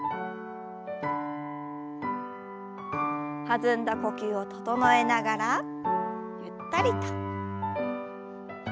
弾んだ呼吸を整えながらゆったりと。